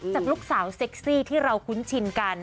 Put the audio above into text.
จากลูกสาวเซ็กซี่ที่เราคุ้นชินกัน